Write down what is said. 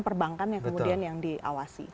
perbankan yang kemudian yang diawasi